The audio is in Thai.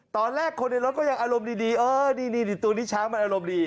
ตอนแรกคนในรถก็ยังอารมณ์ดีเออนี่ตัวนี้ช้างมันอารมณ์ดี